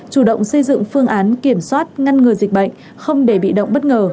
chủ động xây dựng phương án kiểm soát ngăn ngừa dịch bệnh không để bị động bất ngờ